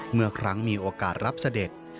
เมื่อครั้งมีโอกาสรับเสด็จ